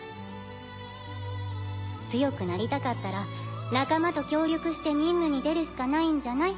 強くなりたかったら仲間と協力して任務に出るしかないんじゃない？